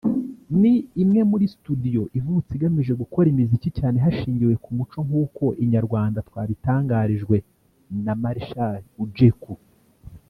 ni imwe muri Studio ivutse igamije gukora imiziki cyane hashingiwe ku muco nkuko Inyarwanda twabitangarijwe na Marchal Ujeku